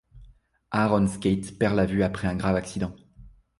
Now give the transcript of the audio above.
Aaron Scates perd la vue après un grave accident.